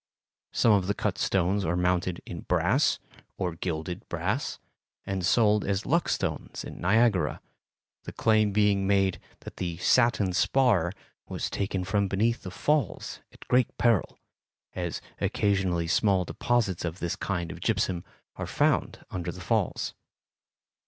Some of the cut stones are mounted in brass, or gilded brass, and sold as luck stones at Niagara, the claim being made that the "satin spar" was taken from beneath the Falls at great peril, as occasionally small deposits of this kind of gypsum are found under the Falls.